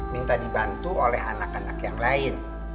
minta dibantu oleh anak anak yang lain